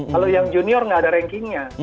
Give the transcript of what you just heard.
kalau yang junior nggak ada rankingnya